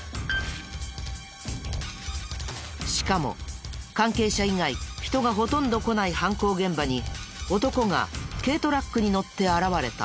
しかも関係者以外人がほとんど来ない犯行現場に男が軽トラックに乗って現れた。